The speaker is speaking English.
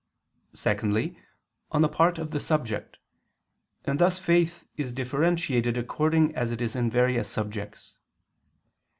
Secondly, on the part of the subject, and thus faith is differentiated according as it is in various subjects.